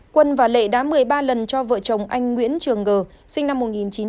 quân và lệ đã một mươi ba lần cho vợ chồng anh nguyễn trường g sinh năm một nghìn chín trăm tám mươi